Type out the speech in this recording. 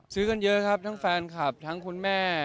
กันเยอะครับทั้งแฟนคลับทั้งคุณแม่